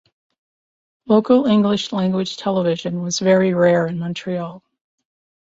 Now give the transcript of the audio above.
Local English language television was very rare in Montreal.